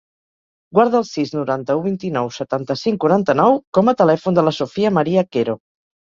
Guarda el sis, noranta-u, vint-i-nou, setanta-cinc, quaranta-nou com a telèfon de la Sofia maria Quero.